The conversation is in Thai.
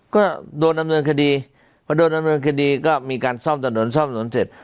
ก็โดนนำเนินคดีก็โดนนำเนินคดีก็มีการซ่อมตัดหน่วนซ่อมตัดหน่วนเสร็จ